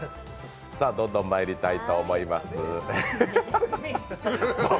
どんどんまいりたいと思います。